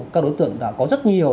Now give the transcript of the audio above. các đối tượng đã có rất nhiều